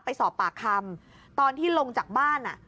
ไปสอบปากคำตอนที่ลงจากบ้าน